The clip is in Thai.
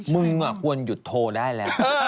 มึงควรหยุดโทรได้แล้ว